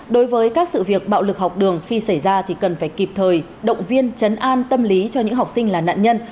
đối với các sự việc bạo lực học đường khi xảy ra thì cần phải kịp thời động viên chấn an tâm lý cho những học sinh là nạn nhân